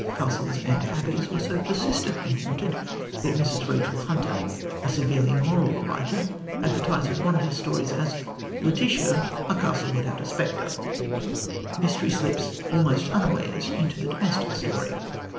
Castles and abbeys were so persistently haunted that Mrs. Rachel Hunter, a severely moral writer, advertises one of her stories as Letitia: A Castle Without a Spectre. Mystery slips, almost unawares, into the domestic story.